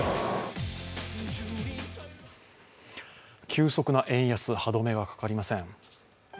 急速な円安歯止めがかかりません。